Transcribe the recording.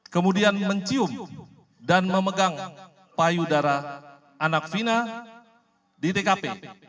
kemudian mencium dan memegang payudara anak fina di tkp